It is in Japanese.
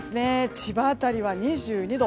千葉辺りは２２度。